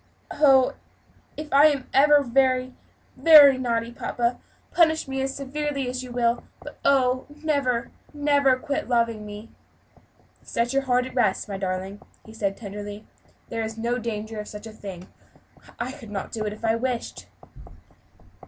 "Oh! if I am ever very, very naughty, papa, punish me as severely as you will; but oh, never, never quit loving me." "Set your heart at rest, my darling," he said, tenderly, "there is no danger of such a thing. I could not do it, if I wished."